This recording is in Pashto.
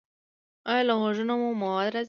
ایا له غوږونو مو مواد راځي؟